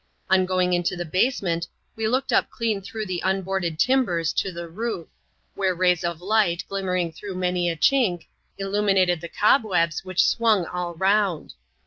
On going into the basement, we looked clean up through the unboarded timbers to the roof ; where rays of light, glim mering through many a chink, illuminated the cobwebs which «wung all round.